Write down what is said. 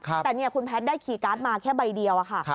แต่เนี่ยคุณแพทย์ได้คีย์การ์ดมาแค่ใบเดียวค่ะ